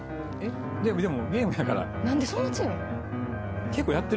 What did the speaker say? でも、ゲームやから。